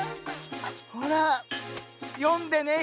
ほらよんでね